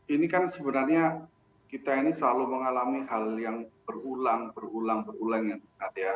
ini kan sebenarnya kita ini selalu mengalami hal yang berulang ulang ya